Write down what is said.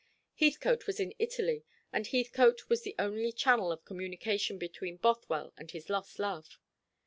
Heathcote was in Italy, and Heathcote was the only channel of communication between Bothwell and his lost love.